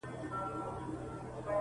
په خپل لاس مي دا تقدیر جوړ کړ ته نه وې!.